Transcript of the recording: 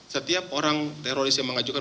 setiap orang teroris yang mengajukan